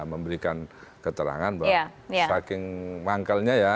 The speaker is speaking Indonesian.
memberikan keterangan bahwa saking manggalnya ya